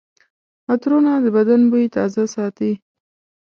عطرونه د بدن بوی تازه ساتي.